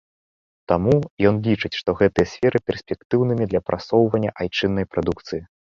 Таму ён лічыць, што гэтыя сферы перспектыўнымі для прасоўвання айчыннай прадукцыі.